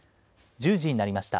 １０時になりました。